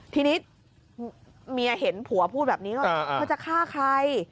ทีนี้เมียเห็นผัวพูดแบบนี้ว่าเธอจะฆ่าใคร